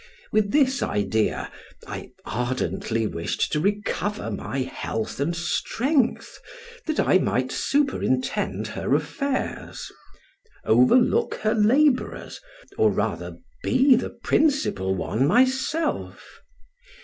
With this idea, I ardently wished to recover my health and strength, that I might superintend her affairs, overlook her laborers, or, rather, be the principal one myself.